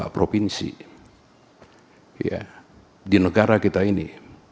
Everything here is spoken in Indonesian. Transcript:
dua puluh satu provinsi di negara kita ini